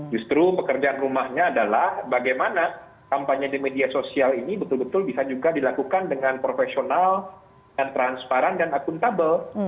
justru pekerjaan rumahnya adalah bagaimana kampanye di media sosial ini betul betul bisa juga dilakukan dengan profesional dan transparan dan akuntabel